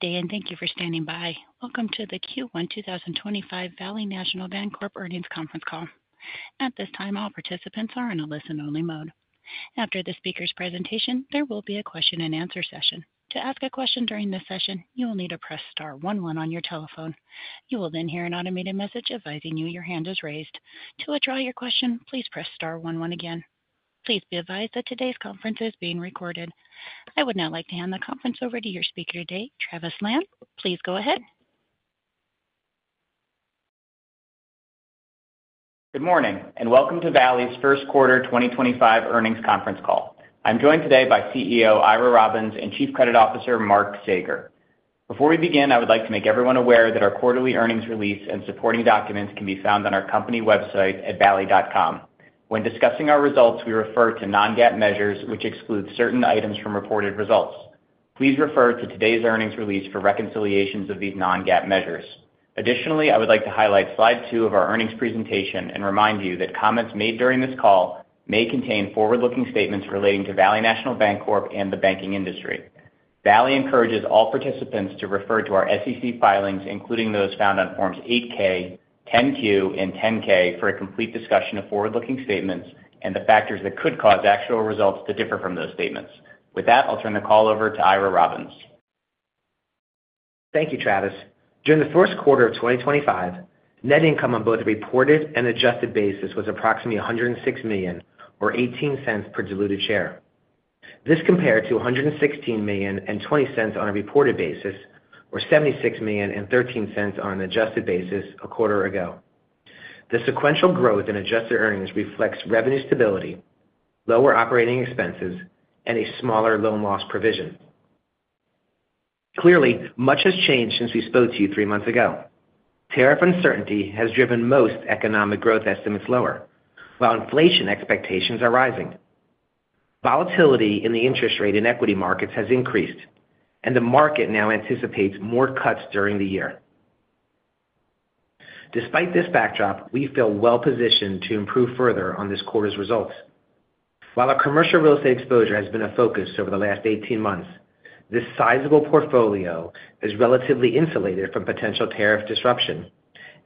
Good day, and thank you for standing by. Welcome to the Q1 2025 Valley National Bancorp Earnings Conference Call. At this time, all participants are in a listen-only mode. After the speaker's presentation, there will be a question-and-answer session. To ask a question during this session, you will need to press star 11 on your telephone. You will then hear an automated message advising you your hand is raised. To withdraw your question, please press star 11 again. Please be advised that today's conference is being recorded. I would now like to hand the conference over to your speaker today, Travis Lan. Please go ahead. Good morning, and welcome to Valley's first quarter 2025 earnings conference call. I'm joined today by CEO Ira Robbins and Chief Credit Officer Mark Saeger. Before we begin, I would like to make everyone aware that our quarterly earnings release and supporting documents can be found on our company website at valley.com. When discussing our results, we refer to non-GAAP measures, which exclude certain items from reported results. Please refer to today's earnings release for reconciliations of these non-GAAP measures. Additionally, I would like to highlight Slide two of our earnings presentation and remind you that comments made during this call may contain forward-looking statements relating to Valley National Bancorp and the banking industry. Valley encourages all participants to refer to our SEC filings, including those found on Forms 8-K, 10-Q, and 10-K, for a complete discussion of forward-looking statements and the factors that could cause actual results to differ from those statements. With that, I'll turn the call over to Ira Robbins. Thank you, Travis. During the first quarter of 2025, net income on both a reported and adjusted basis was approximately $106 million or $0.18 per diluted share. This compared to $116.20 on a reported basis or $76.13 on an adjusted basis a quarter ago. The sequential growth in adjusted earnings reflects revenue stability, lower operating expenses, and a smaller loan loss provision. Clearly, much has changed since we spoke to you three months ago. Tariff uncertainty has driven most economic growth estimates lower, while inflation expectations are rising. Volatility in the interest rate and equity markets has increased, and the market now anticipates more cuts during the year. Despite this backdrop, we feel well-positioned to improve further on this quarter's results. While our commercial real estate exposure has been a focus over the last 18 months, this sizable portfolio is relatively insulated from potential tariff disruption,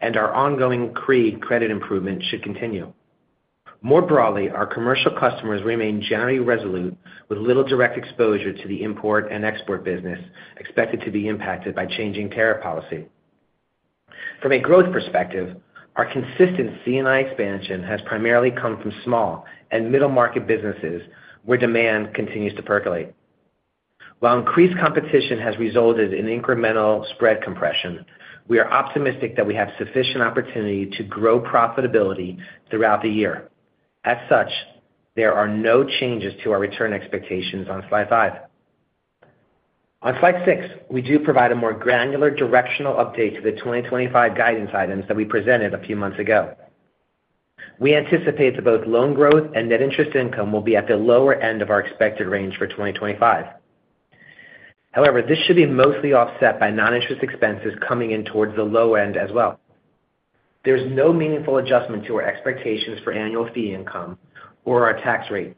and our ongoing CRE credit improvement should continue. More broadly, our commercial customers remain generally resolute, with little direct exposure to the import and export business expected to be impacted by changing tariff policy. From a growth perspective, our consistent C&I expansion has primarily come from small and middle-market businesses where demand continues to percolate. While increased competition has resulted in incremental spread compression, we are optimistic that we have sufficient opportunity to grow profitability throughout the year. As such, there are no changes to our return expectations on Slide five. On Slide six, we do provide a more granular directional update to the 2025 guidance items that we presented a few months ago. We anticipate that both loan growth and net interest income will be at the lower end of our expected range for 2025. However, this should be mostly offset by non-interest expenses coming in towards the low end as well. There is no meaningful adjustment to our expectations for annual fee income or our tax rate.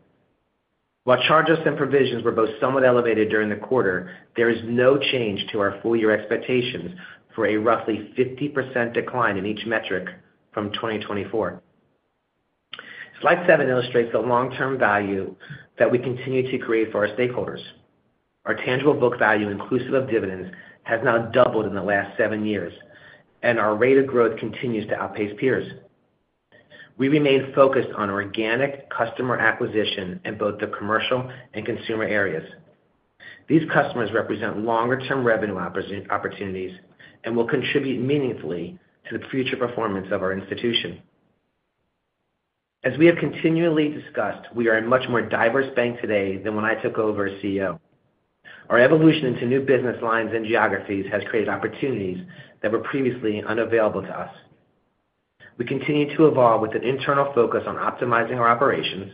While charges and provisions were both somewhat elevated during the quarter, there is no change to our full-year expectations for a roughly 50% decline in each metric from 2024. Slide seven illustrates the long-term value that we continue to create for our stakeholders. Our tangible book value, inclusive of dividends, has now doubled in the last seven years, and our rate of growth continues to outpace peers. We remain focused on organic customer acquisition in both the commercial and consumer areas. These customers represent longer-term revenue opportunities and will contribute meaningfully to the future performance of our institution. As we have continually discussed, we are a much more diverse bank today than when I took over as CEO. Our evolution into new business lines and geographies has created opportunities that were previously unavailable to us. We continue to evolve with an internal focus on optimizing our operations,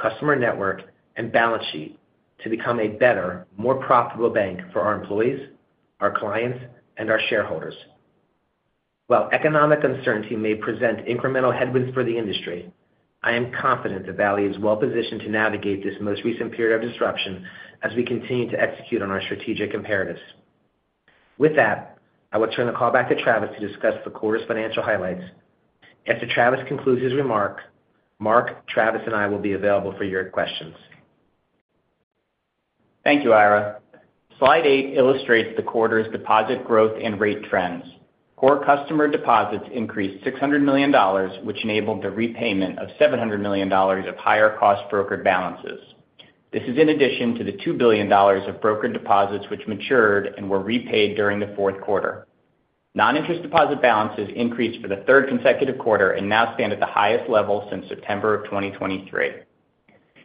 customer network, and balance sheet to become a better, more profitable bank for our employees, our clients, and our shareholders. While economic uncertainty may present incremental headwinds for the industry, I am confident that Valley is well-positioned to navigate this most recent period of disruption as we continue to execute on our strategic imperatives. With that, I will turn the call back to Travis to discuss the quarter's financial highlights. After Travis concludes his remark, Mark, Travis, and I will be available for your questions. Thank you, Ira. Slide eight illustrates the quarter's deposit growth and rate trends. Core customer deposits increased $600 million, which enabled the repayment of $700 million of higher-cost brokered balances. This is in addition to the $2 billion of brokered deposits which matured and were repaid during the fourth quarter. Non-interest deposit balances increased for the third consecutive quarter and now stand at the highest level since September of 2023.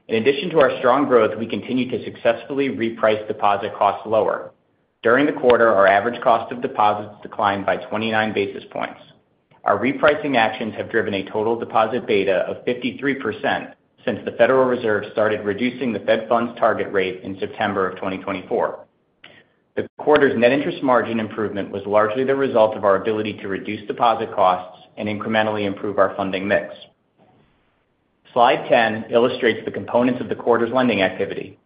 In addition to our strong growth, we continue to successfully reprice deposit costs lower. During the quarter, our average cost of deposits declined by 29 basis points. Our repricing actions have driven a total deposit beta of 53% since the Federal Reserve started reducing the Fed funds target rate in September of 2024. The quarter's net interest margin improvement was largely the result of our ability to reduce deposit costs and incrementally improve our funding mix. Slide 10 illustrates the components of the quarter's lending activity.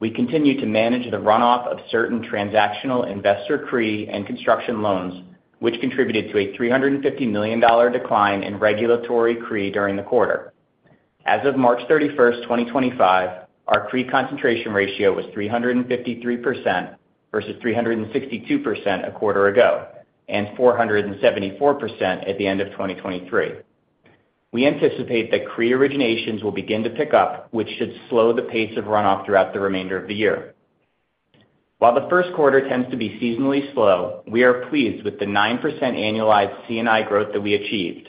We continue to manage the runoff of certain transactional investor CRE and construction loans, which contributed to a $350 million decline in regulatory CRE during the quarter. As of March 31, 2025, our CRE concentration ratio was 353% versus 362% a quarter ago and 474% at the end of 2023. We anticipate that CRE originations will begin to pick up, which should slow the pace of runoff throughout the remainder of the year. While the first quarter tends to be seasonally slow, we are pleased with the 9% annualized C&I growth that we achieved.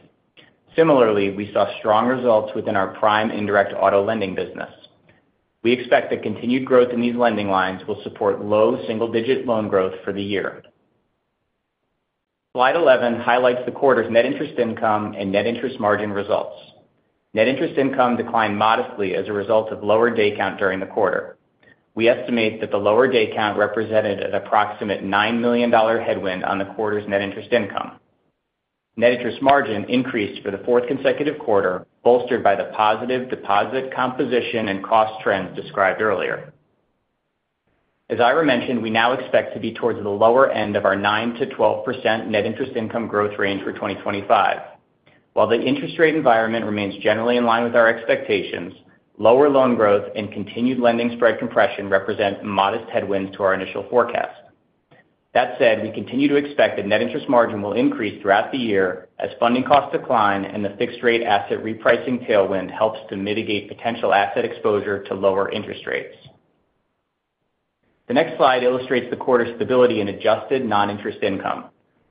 Similarly, we saw strong results within our prime indirect auto lending business. We expect that continued growth in these lending lines will support low single-digit loan growth for the year. Slide 11 highlights the quarter's net interest income and net interest margin results. Net interest income declined modestly as a result of lower day count during the quarter. We estimate that the lower day count represented an approximate $9 million headwind on the quarter's net interest income. Net interest margin increased for the fourth consecutive quarter, bolstered by the positive deposit composition and cost trends described earlier. As Ira mentioned, we now expect to be towards the lower end of our 9%-12% net interest income growth range for 2025. While the interest rate environment remains generally in line with our expectations, lower loan growth and continued lending spread compression represent modest headwinds to our initial forecast. That said, we continue to expect that net interest margin will increase throughout the year as funding costs decline and the fixed-rate asset repricing tailwind helps to mitigate potential asset exposure to lower interest rates. The next slide illustrates the quarter's stability in adjusted non-interest income.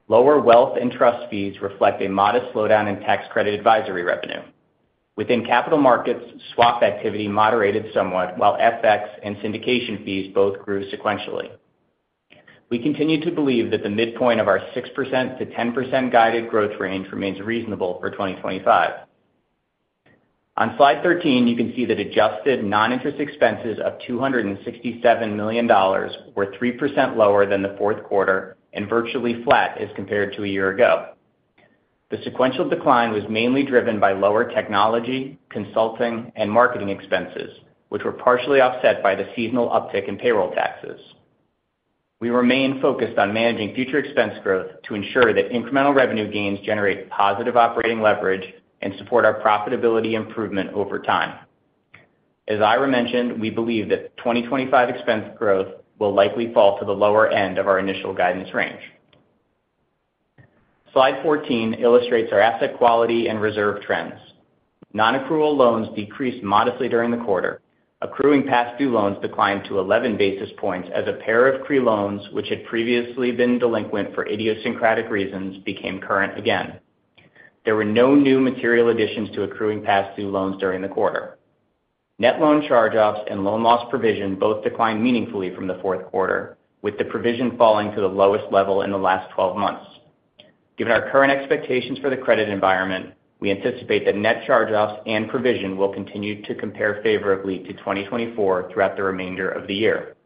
Lower wealth and trust fees reflect a modest slowdown in tax credit advisory revenue. Within capital markets, swap activity moderated somewhat, while FX and syndication fees both grew sequentially. We continue to believe that the midpoint of our 6%-10% guided growth range remains reasonable for 2025. On Slide 13, you can see that adjusted non-interest expenses of $267 million were 3% lower than the fourth quarter and virtually flat as compared to a year ago. The sequential decline was mainly driven by lower technology, consulting, and marketing expenses, which were partially offset by the seasonal uptick in payroll taxes. We remain focused on managing future expense growth to ensure that incremental revenue gains generate positive operating leverage and support our profitability improvement over time. As Ira mentioned, we believe that 2025 expense growth will likely fall to the lower end of our initial guidance range. Slide 14 illustrates our asset quality and reserve trends. Non-accrual loans decreased modestly during the quarter. Accruing past-due loans declined to 11 basis points as a pair of CRE loans, which had previously been delinquent for idiosyncratic reasons, became current again. There were no new material additions to accruing past-due loans during the quarter. Net loan charge-offs and loan loss provision both declined meaningfully from the fourth quarter, with the provision falling to the lowest level in the last 12 months. Given our current expectations for the credit environment, we anticipate that net charge-offs and provision will continue to compare favorably to 2024 throughout the remainder of the year.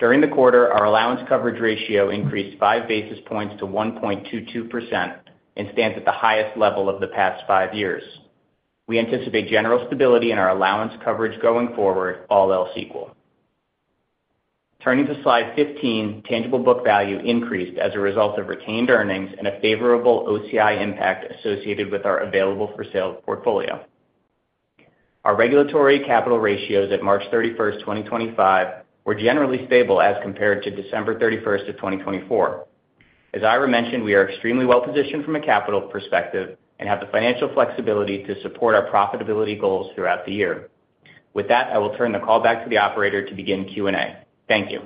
During the quarter, our allowance coverage ratio increased 5 basis points to 1.22% and stands at the highest level of the past five years. We anticipate general stability in our allowance coverage going forward, all else equal. Turning to Slide 15, tangible book value increased as a result of retained earnings and a favorable OCI impact associated with our available-for-sale portfolio. Our regulatory capital ratios at March 31, 2025, were generally stable as compared to December 31, 2024. As Ira mentioned, we are extremely well-positioned from a capital perspective and have the financial flexibility to support our profitability goals throughout the year. With that, I will turn the call back to the operator to begin Q&A. Thank you.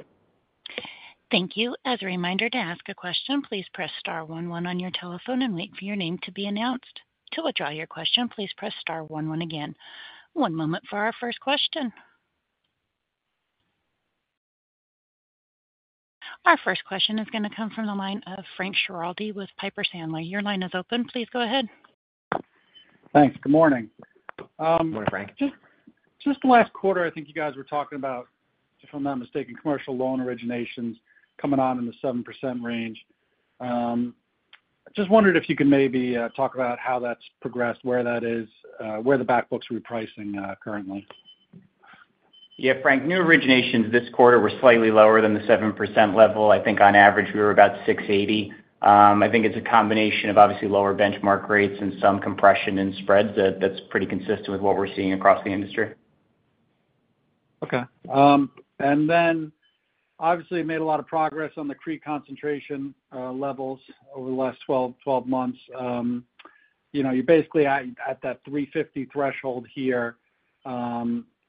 Thank you. As a reminder to ask a question, please press star 11 on your telephone and wait for your name to be announced. To withdraw your question, please press star 11 again. One moment for our first question. Our first question is going to come from the line of Frank Schiraldi with Piper Sandler. Your line is open. Please go ahead. Thanks. Good morning. Good morning, Frank. Just the last quarter, I think you guys were talking about, if I'm not mistaken, commercial loan originations coming on in the 7% range. Just wondered if you could maybe talk about how that's progressed, where that is, where the backbook's repricing currently. Yeah, Frank, new originations this quarter were slightly lower than the 7% level. I think on average, we were about 680. I think it's a combination of obviously lower benchmark rates and some compression in spreads that's pretty consistent with what we're seeing across the industry. Okay. Obviously made a lot of progress on the CRE concentration levels over the last 12 months. You're basically at that 350% threshold here.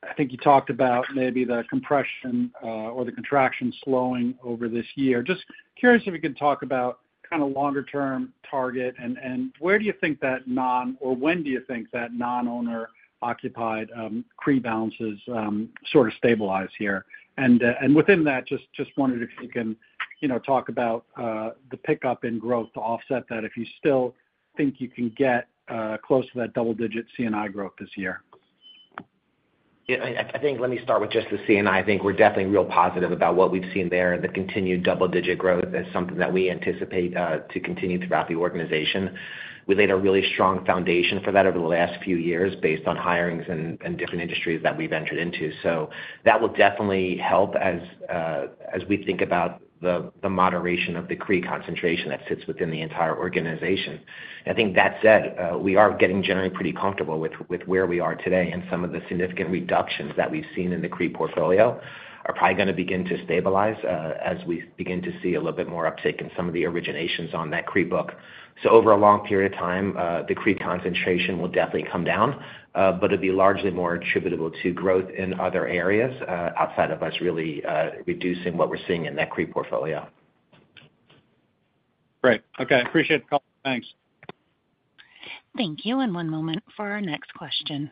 I think you talked about maybe the compression or the contraction slowing over this year. Just curious if you can talk about kind of longer-term target and where do you think that non or when do you think that non-owner-occupied CRE balances sort of stabilize here? Within that, just wondered if you can talk about the pickup in growth to offset that if you still think you can get close to that double-digit C&I growth this year. Yeah, I think let me start with just the C&I. I think we're definitely real positive about what we've seen there. The continued double-digit growth is something that we anticipate to continue throughout the organization. We laid a really strong foundation for that over the last few years based on hirings and different industries that we've entered into. That will definitely help as we think about the moderation of the CRE concentration that sits within the entire organization. I think that said, we are getting generally pretty comfortable with where we are today, and some of the significant reductions that we've seen in the CRE portfolio are probably going to begin to stabilize as we begin to see a little bit more uptake in some of the originations on that CRE book. Over a long period of time, the CRE concentration will definitely come down, but it'll be largely more attributable to growth in other areas outside of us really reducing what we're seeing in that CRE portfolio. Great. Okay. Appreciate the call. Thanks. Thank you. One moment for our next question.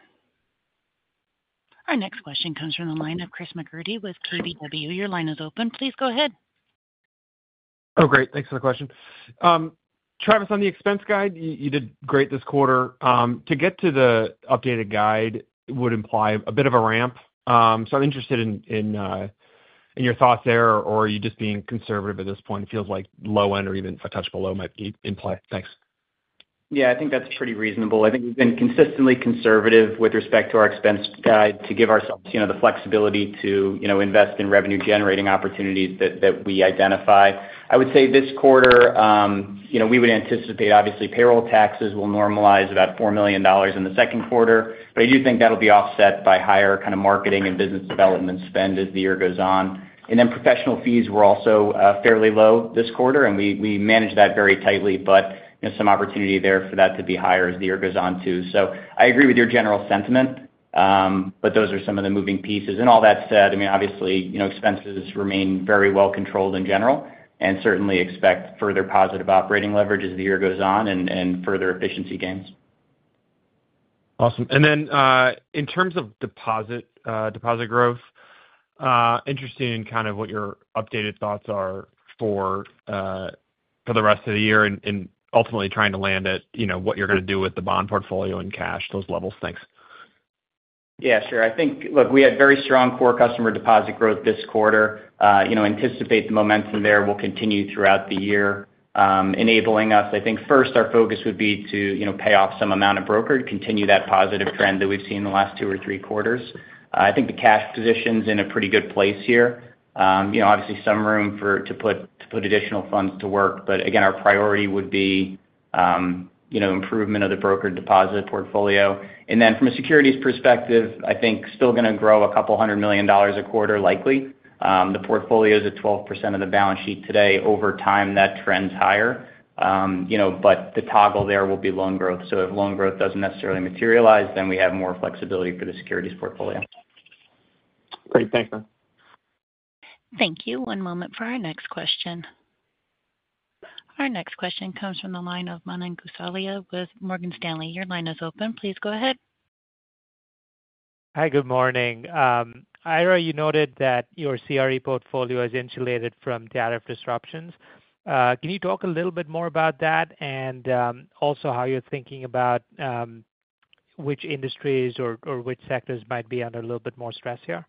Our next question comes from the line of Chris McGratty with KBW. Your line is open. Please go ahead. Oh, great. Thanks for the question. Travis, on the expense guide, you did great this quarter. To get to the updated guide would imply a bit of a ramp. I am interested in your thoughts there, or are you just being conservative at this point? It feels like low end or even a touch below might be in play. Thanks. Yeah, I think that's pretty reasonable. I think we've been consistently conservative with respect to our expense guide to give ourselves the flexibility to invest in revenue-generating opportunities that we identify. I would say this quarter, we would anticipate, obviously, payroll taxes will normalize about $4 million in the second quarter, but I do think that'll be offset by higher kind of marketing and business development spend as the year goes on. Professional fees were also fairly low this quarter, and we manage that very tightly, but some opportunity there for that to be higher as the year goes on too. I agree with your general sentiment, but those are some of the moving pieces. All that said, I mean, obviously, expenses remain very well controlled in general and certainly expect further positive operating leverage as the year goes on and further efficiency gains. Awesome. In terms of deposit growth, interested in kind of what your updated thoughts are for the rest of the year and ultimately trying to land at what you're going to do with the bond portfolio and cash, those levels. Thanks. Yeah, sure. I think, look, we had very strong core customer deposit growth this quarter. Anticipate the momentum there will continue throughout the year, enabling us, I think, first, our focus would be to pay off some amount of brokerage, continue that positive trend that we've seen in the last two or three quarters. I think the cash position's in a pretty good place here. Obviously, some room to put additional funds to work, but again, our priority would be improvement of the brokered deposit portfolio. From a securities perspective, I think still going to grow a couple hundred million dollars a quarter likely. The portfolio's at 12% of the balance sheet today. Over time, that trend's higher, but the toggle there will be loan growth. If loan growth doesn't necessarily materialize, then we have more flexibility for the securities portfolio. Great. Thanks, man. Thank you. One moment for our next question. Our next question comes from the line of Manan Gosalia with Morgan Stanley. Your line is open. Please go ahead. Hi, good morning. Ira, you noted that your CRE portfolio is insulated from tariff disruptions. Can you talk a little bit more about that and also how you're thinking about which industries or which sectors might be under a little bit more stress here?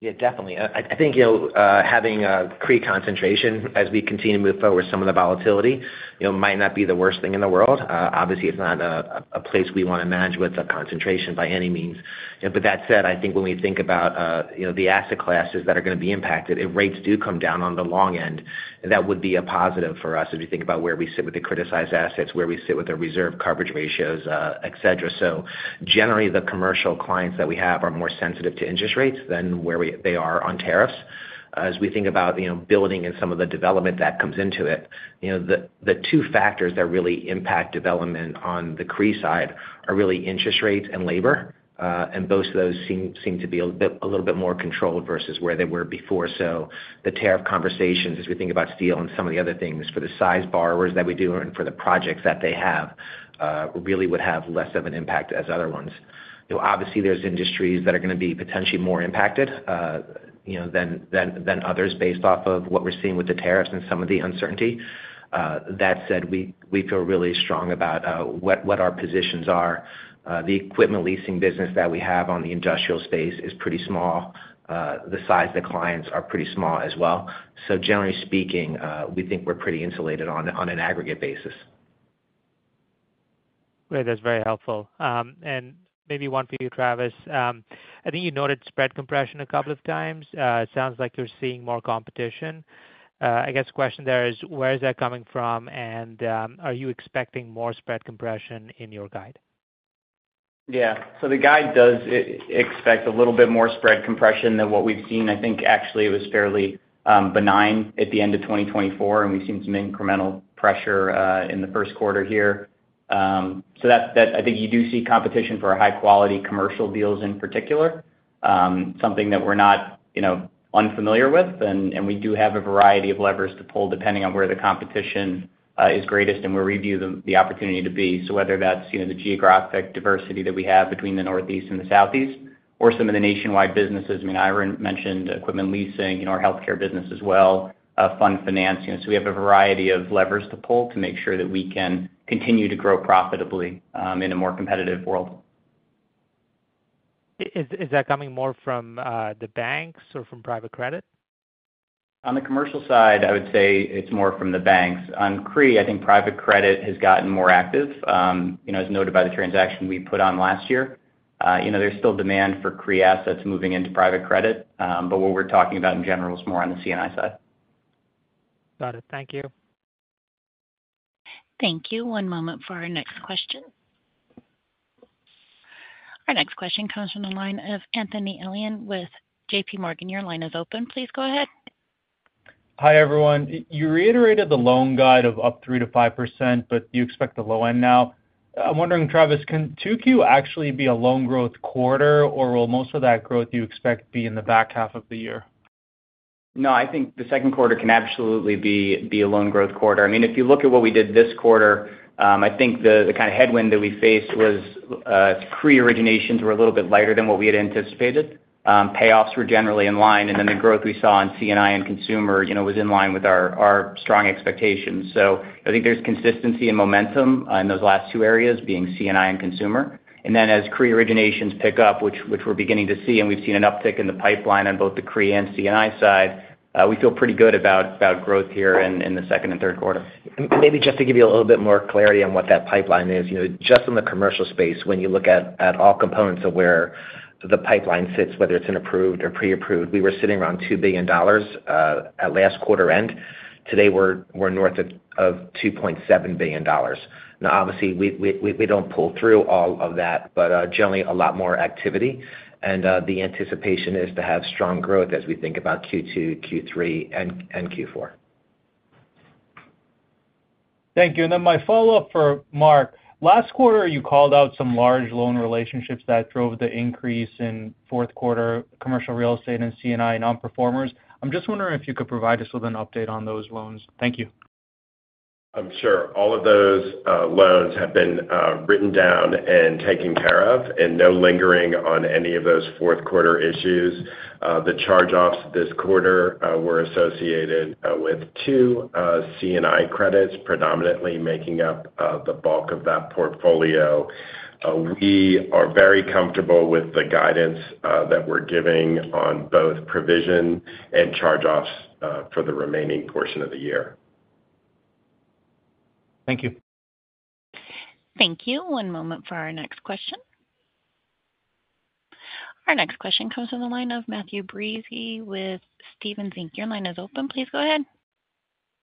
Yeah, definitely. I think having a CRE concentration as we continue to move forward with some of the volatility might not be the worst thing in the world. Obviously, it's not a place we want to manage with a concentration by any means. That said, I think when we think about the asset classes that are going to be impacted, if rates do come down on the long end, that would be a positive for us if you think about where we sit with the criticized assets, where we sit with our reserve coverage ratios, etc. Generally, the commercial clients that we have are more sensitive to interest rates than where they are on tariffs. As we think about building and some of the development that comes into it, the two factors that really impact development on the CRE side are really interest rates and labor, and both of those seem to be a little bit more controlled versus where they were before. The tariff conversations, as we think about steel and some of the other things, for the size borrowers that we do and for the projects that they have, really would have less of an impact as other ones. Obviously, there are industries that are going to be potentially more impacted than others based off of what we are seeing with the tariffs and some of the uncertainty. That said, we feel really strong about what our positions are. The equipment leasing business that we have on the industrial space is pretty small. The size of the clients are pretty small as well. Generally speaking, we think we're pretty insulated on an aggregate basis. Great. That's very helpful. Maybe one for you, Travis. I think you noted spread compression a couple of times. It sounds like you're seeing more competition. I guess the question there is, where is that coming from, and are you expecting more spread compression in your guide? Yeah. The guide does expect a little bit more spread compression than what we've seen. I think actually it was fairly benign at the end of 2024, and we've seen some incremental pressure in the first quarter here. I think you do see competition for high-quality commercial deals in particular, something that we're not unfamiliar with, and we do have a variety of levers to pull depending on where the competition is greatest and where we view the opportunity to be. Whether that's the geographic diversity that we have between the Northeast and the Southeast or some of the nationwide businesses. I mean, Ira mentioned equipment leasing, our healthcare business as well, fund finance. We have a variety of levers to pull to make sure that we can continue to grow profitably in a more competitive world. Is that coming more from the banks or from private credit? On the commercial side, I would say it's more from the banks. On CRE, I think private credit has gotten more active, as noted by the transaction we put on last year. There's still demand for CRE assets moving into private credit, but what we're talking about in general is more on the C&I side. Got it. Thank you. Thank you. One moment for our next question. Our next question comes from the line of Anthony Elian with JPMorgan. Your line is open. Please go ahead. Hi everyone. You reiterated the loan guide of up 3% to 5%, but you expect the low end now. I'm wondering, Travis, can 2Q actually be a loan growth quarter, or will most of that growth you expect be in the back half of the year? No, I think the second quarter can absolutely be a loan growth quarter. I mean, if you look at what we did this quarter, I think the kind of headwind that we faced was CRE originations were a little bit lighter than what we had anticipated. Payoffs were generally in line, and then the growth we saw in C&I and consumer was in line with our strong expectations. I think there's consistency and momentum in those last two areas being C&I and consumer. As CRE originations pick up, which we're beginning to see, and we've seen an uptick in the pipeline on both the CRE and C&I side, we feel pretty good about growth here in the second and third quarter. Maybe just to give you a little bit more clarity on what that pipeline is, just in the commercial space, when you look at all components of where the pipeline sits, whether it's an approved or pre-approved, we were sitting around $2 billion at last quarter end. Today, we're north of $2.7 billion. Now, obviously, we don't pull through all of that, but generally a lot more activity. The anticipation is to have strong growth as we think about Q2, Q3, and Q4. Thank you. My follow-up for Mark. Last quarter, you called out some large loan relationships that drove the increase in fourth quarter commercial real estate and C&I non-performers. I'm just wondering if you could provide us with an update on those loans. Thank you. Sure. All of those loans have been written down and taken care of, and no lingering on any of those fourth quarter issues. The charge-offs this quarter were associated with two C&I credits, predominantly making up the bulk of that portfolio. We are very comfortable with the guidance that we're giving on both provision and charge-offs for the remaining portion of the year. Thank you. Thank you. One moment for our next question. Our next question comes from the line of Matthew M. Breese with Stephens Inc. Your line is open. Please go ahead.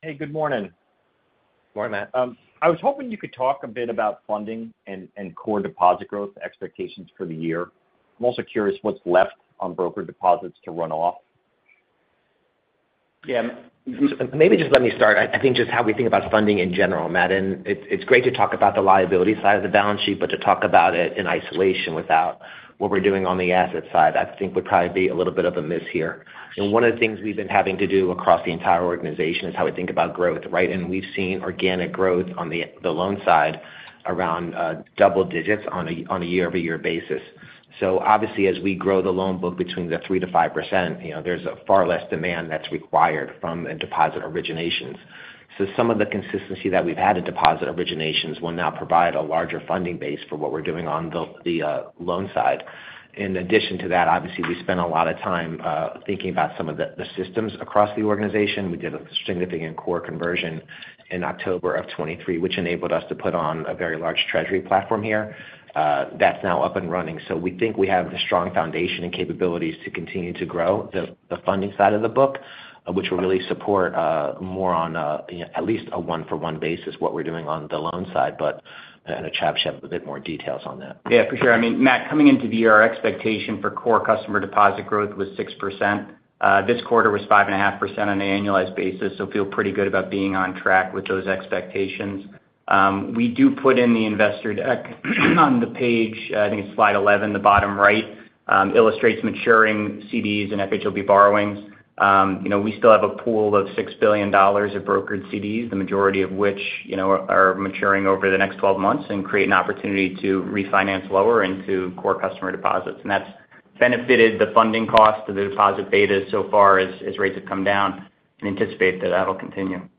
Hey, good morning. Good morning, Matt. I was hoping you could talk a bit about funding and core deposit growth expectations for the year. I'm also curious what's left on broker deposits to run off. Yeah. Maybe just let me start. I think just how we think about funding in general, Matt, and it's great to talk about the liability side of the balance sheet, but to talk about it in isolation without what we're doing on the asset side, I think would probably be a little bit of a miss here. One of the things we've been having to do across the entire organization is how we think about growth, right? We've seen organic growth on the loan side around double digits on a year-over-year basis. Obviously, as we grow the loan book between the 3-5%, there's far less demand that's required from deposit originations. Some of the consistency that we've had at deposit originations will now provide a larger funding base for what we're doing on the loan side. In addition to that, obviously, we spent a lot of time thinking about some of the systems across the organization. We did a significant core conversion in October of 2023, which enabled us to put on a very large treasury platform here. That's now up and running. We think we have a strong foundation and capabilities to continue to grow the funding side of the book, which will really support more on at least a one-for-one basis what we're doing on the loan side, but I'm going to have a bit more details on that. Yeah, for sure. I mean, Matt, coming into the year, our expectation for core customer deposit growth was 6%. This quarter was 5.5% on an annualized basis, so feel pretty good about being on track with those expectations. We do put in the investor deck on the page. I think it's Slide 11, the bottom right, illustrates maturing CDs and FHLB borrowings. We still have a pool of $6 billion of brokered CDs, the majority of which are maturing over the next 12 months and create an opportunity to refinance lower into core customer deposits. That's benefited the funding cost of the deposit beta so far as rates have come down, and anticipate that that'll continue. Got it. Okay.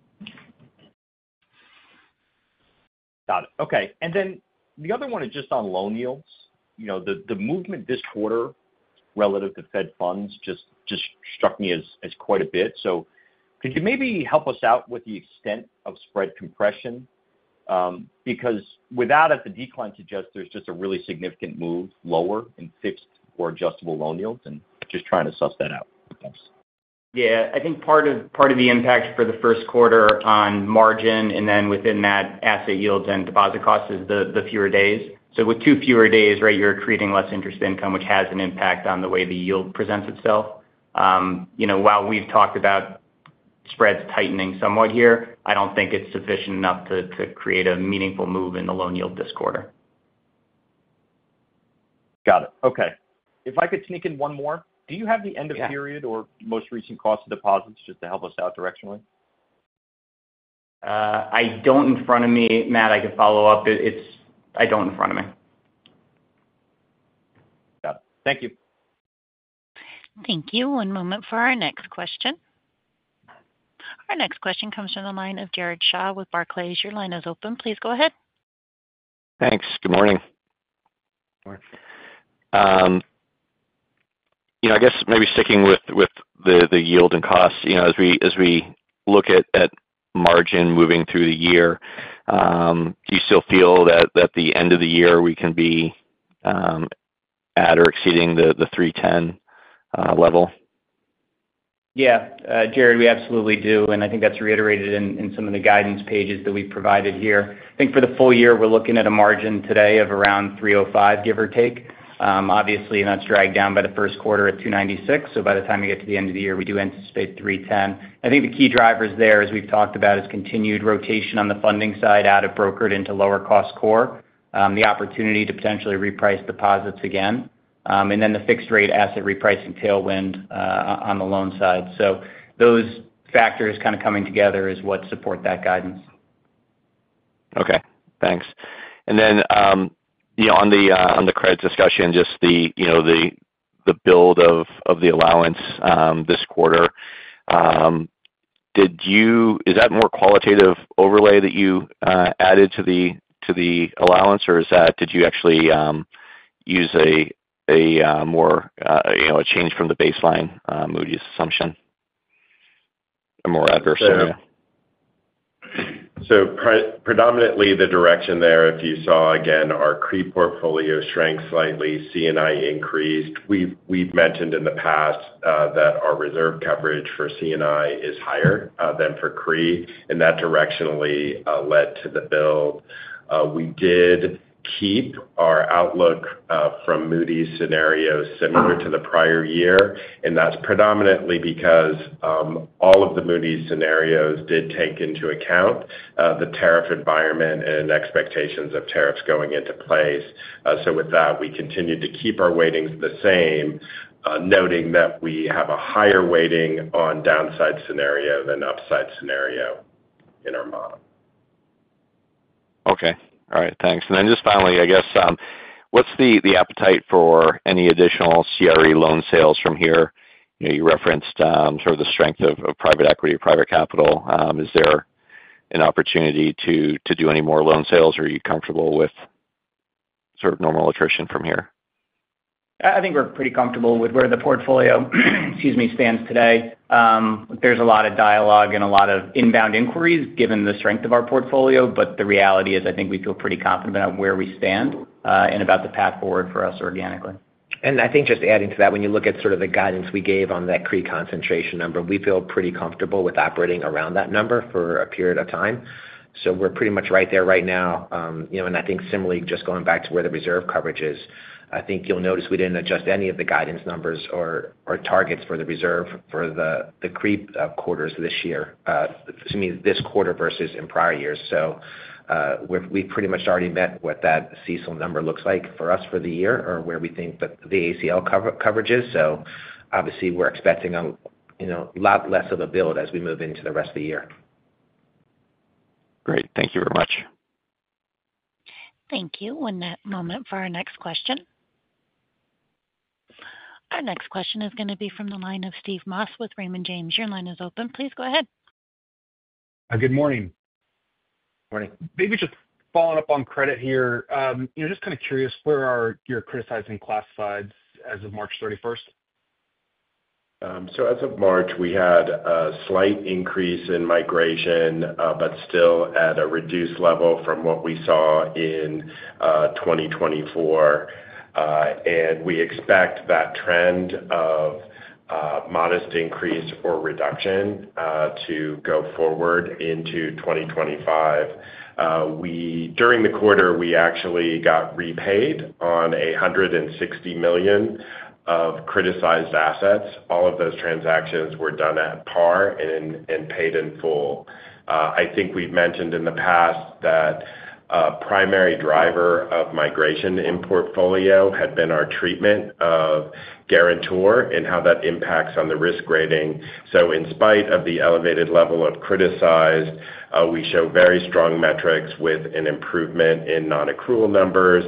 The other one is just on loan yields. The movement this quarter relative to Fed funds just struck me as quite a bit. Could you maybe help us out with the extent of spread compression? Because without it, the decline suggests there's just a really significant move lower in fixed or adjustable loan yields, and just trying to suss that out. Yeah. I think part of the impact for the first quarter on margin and then within that asset yields and deposit costs is the fewer days. With two fewer days, right, you're creating less interest income, which has an impact on the way the yield presents itself. While we've talked about spreads tightening somewhat here, I don't think it's sufficient enough to create a meaningful move in the loan yield this quarter. Got it. Okay. If I could sneak in one more, do you have the end-of-period or most recent cost of deposits just to help us out directionally? I don't in front of me. Matt, I could follow up. I don't in front of me. Got it. Thank you. Thank you. One moment for our next question. Our next question comes from the line of Jared Shaw with Barclays. Your line is open. Please go ahead. Thanks. Good morning. I guess maybe sticking with the yield and costs, as we look at margin moving through the year, do you still feel that at the end of the year we can be at or exceeding the 310 level? Yeah. Jared, we absolutely do. I think that's reiterated in some of the guidance pages that we've provided here. I think for the full year, we're looking at a margin today of around 305, give or take. Obviously, that's dragged down by the first quarter at 296. By the time we get to the end of the year, we do anticipate 310. I think the key drivers there, as we've talked about, is continued rotation on the funding side out of brokered into lower-cost core, the opportunity to potentially reprice deposits again, and then the fixed-rate asset repricing tailwind on the loan side. Those factors kind of coming together is what support that guidance. Okay. Thanks. On the credit discussion, just the build of the allowance this quarter, is that more qualitative overlay that you added to the allowance, or did you actually use a more change from the baseline Moody's assumption, a more adversarial? Predominantly the direction there, if you saw again our CRE portfolio shrank slightly, C&I increased. We've mentioned in the past that our reserve coverage for C&I is higher than for CRE, and that directionally led to the build. We did keep our outlook from Moody's scenario similar to the prior year, and that is predominantly because all of the Moody's scenarios did take into account the tariff environment and expectations of tariffs going into place. With that, we continued to keep our weightings the same, noting that we have a higher weighting on downside scenario than upside scenario in our model. Okay. All right. Thanks. Just finally, I guess, what's the appetite for any additional CRE loan sales from here? You referenced sort of the strength of private equity, private capital. Is there an opportunity to do any more loan sales, or are you comfortable with sort of normal attrition from here? I think we're pretty comfortable with where the portfolio stands today. There's a lot of dialogue and a lot of inbound inquiries given the strength of our portfolio, but the reality is I think we feel pretty confident on where we stand and about the path forward for us organically. I think just adding to that, when you look at sort of the guidance we gave on that CRE concentration number, we feel pretty comfortable with operating around that number for a period of time. We're pretty much right there right now. I think similarly, just going back to where the reserve coverage is, I think you'll notice we didn't adjust any of the guidance numbers or targets for the reserve for the CRE quarters this year, excuse me, this quarter versus in prior years. We've pretty much already met what that CECL number looks like for us for the year or where we think that the ACL coverage is. Obviously, we're expecting a lot less of a build as we move into the rest of the year. Great. Thank you very much. Thank you. One moment for our next question. Our next question is going to be from the line of Steve Moss with Raymond James. Your line is open. Please go ahead. Good morning. Morning. Maybe just following up on credit here, just kind of curious, where are your criticized and classified as of March 31? As of March, we had a slight increase in migration, but still at a reduced level from what we saw in 2024. We expect that trend of modest increase or reduction to go forward into 2025. During the quarter, we actually got repaid on $160 million of criticized assets. All of those transactions were done at par and paid in full. I think we've mentioned in the past that a primary driver of migration in portfolio had been our treatment of guarantor and how that impacts on the risk rating. In spite of the elevated level of criticized, we show very strong metrics with an improvement in non-accrual numbers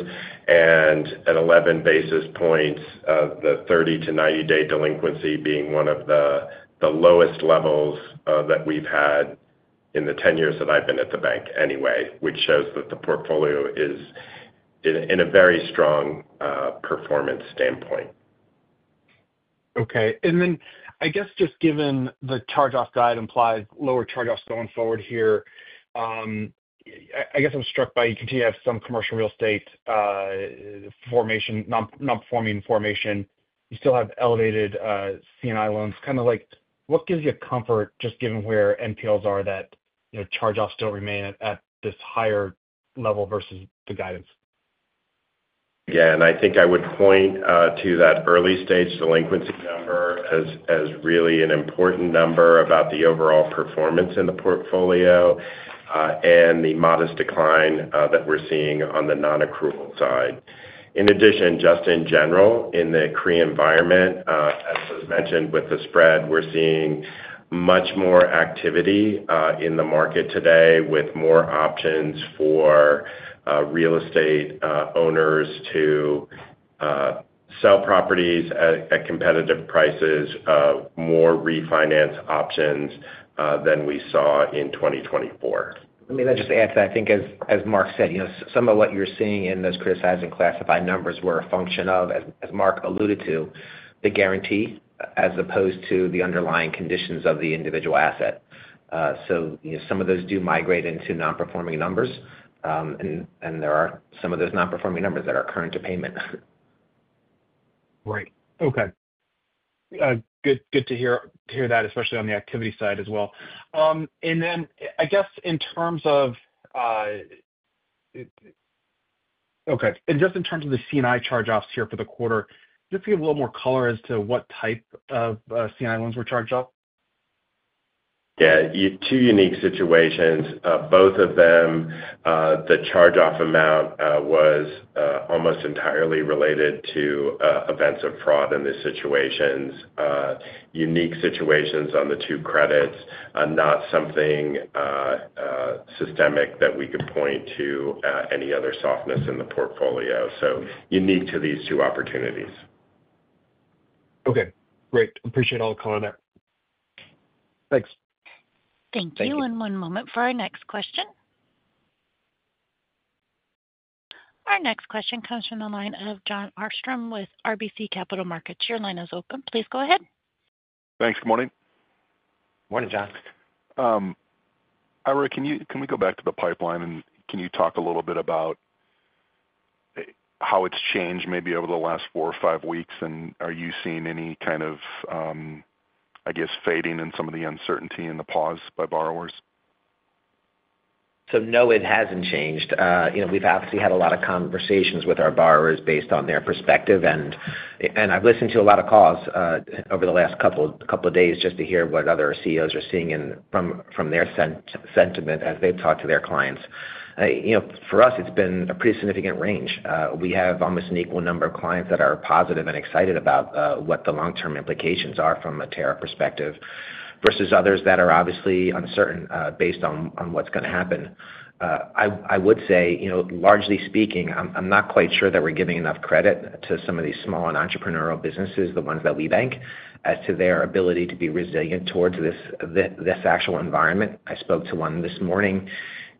and at 11 basis points, the 30 to 90-day delinquency being one of the lowest levels that we've had in the 10 years that I've been at the bank anyway, which shows that the portfolio is in a very strong performance standpoint. Okay. I guess just given the charge-off guide implies lower charge-offs going forward here, I guess I'm struck by you continue to have some commercial real estate formation, non-performing formation. You still have elevated C&I loans. Kind of what gives you comfort just given where NPLs are that charge-offs still remain at this higher level versus the guidance? Yeah. I think I would point to that early-stage delinquency number as really an important number about the overall performance in the portfolio and the modest decline that we're seeing on the non-accrual side. In addition, just in general, in the CRE environment, as was mentioned with the spread, we're seeing much more activity in the market today with more options for real estate owners to sell properties at competitive prices, more refinance options than we saw in 2024. Let me just add to that. I think, as Mark said, some of what you're seeing in those criticized and classified numbers were a function of, as Mark alluded to, the guarantee as opposed to the underlying conditions of the individual asset. Some of those do migrate into non-performing numbers, and there are some of those non-performing numbers that are current to payment. Right. Okay. Good to hear that, especially on the activity side as well. I guess in terms of okay. Just in terms of the C&I charge-offs here for the quarter, just to give a little more color as to what type of C&I loans were charged up? Yeah. Two unique situations. Both of them, the charge-off amount was almost entirely related to events of fraud in these situations, unique situations on the two credits, not something systemic that we could point to any other softness in the portfolio. Unique to these two opportunities. Okay. Great. Appreciate all the color on that. Thanks. Thank you. One moment for our next question. Our next question comes from the line of Jon Arfstrom with RBC Capital Markets. Your line is open. Please go ahead. Thanks. Good morning. Morning, John. Ira, can we go back to the pipeline, and can you talk a little bit about how it's changed maybe over the last four or five weeks, and are you seeing any kind of, I guess, fading in some of the uncertainty and the pause by borrowers? No, it hasn't changed. We've obviously had a lot of conversations with our borrowers based on their perspective. I've listened to a lot of calls over the last couple of days just to hear what other CEOs are seeing from their sentiment as they've talked to their clients. For us, it's been a pretty significant range. We have almost an equal number of clients that are positive and excited about what the long-term implications are from a tariff perspective versus others that are obviously uncertain based on what's going to happen. I would say, largely speaking, I'm not quite sure that we're giving enough credit to some of these small and entrepreneurial businesses, the ones that we bank, as to their ability to be resilient towards this actual environment. I spoke to one this morning.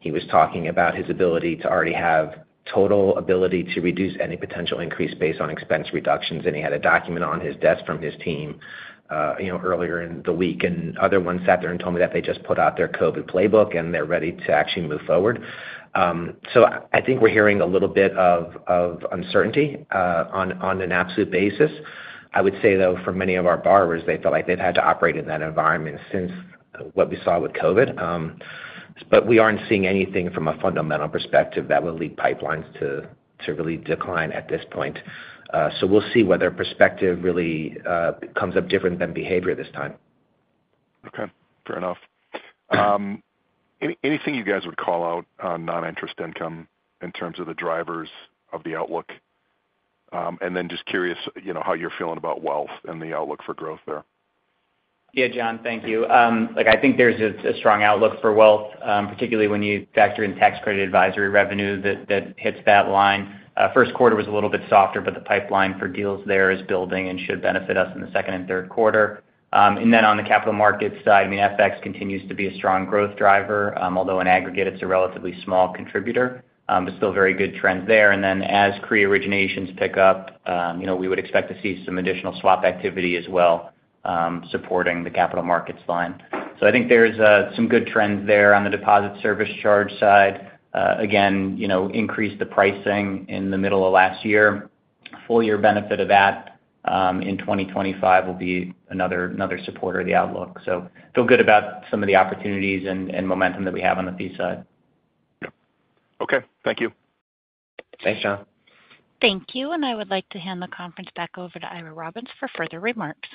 He was talking about his ability to already have total ability to reduce any potential increase based on expense reductions, and he had a document on his desk from his team earlier in the week. Other ones sat there and told me that they just put out their COVID playbook, and they're ready to actually move forward. I think we're hearing a little bit of uncertainty on an absolute basis. I would say, though, for many of our borrowers, they felt like they've had to operate in that environment since what we saw with COVID. We aren't seeing anything from a fundamental perspective that will lead pipelines to really decline at this point. We'll see whether perspective really comes up different than behavior this time. Okay. Fair enough. Anything you guys would call out on non-interest income in terms of the drivers of the outlook? Just curious how you're feeling about wealth and the outlook for growth there. Yeah, John, thank you. I think there's a strong outlook for wealth, particularly when you factor in tax credit advisory revenue that hits that line. First quarter was a little bit softer, but the pipeline for deals there is building and should benefit us in the second and third quarter. On the capital markets side, I mean, FX continues to be a strong growth driver, although in aggregate, it's a relatively small contributor, but still very good trends there. As CRE originations pick up, we would expect to see some additional swap activity as well supporting the capital markets line. I think there's some good trends there on the deposit service charge side. Again, increased the pricing in the middle of last year. Full year benefit of that in 2025 will be another supporter of the outlook. Feel good about some of the opportunities and momentum that we have on the fee side. Okay. Thank you. Thanks, John. Thank you. I would like to hand the conference back over to Ira Robbins for further remarks.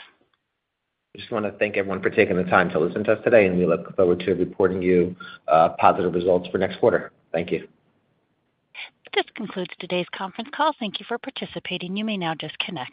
I just want to thank everyone for taking the time to listen to us today, and we look forward to reporting you positive results for next quarter. Thank you. This concludes today's conference call. Thank you for participating. You may now disconnect.